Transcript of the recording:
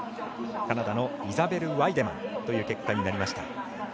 カナダのイザベル・ワイデマンという結果になりました。